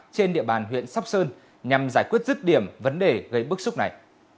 trên địa bàn huyện sóc sơn nhằm giải quyết rứt điểm vấn đề gây bức xúc này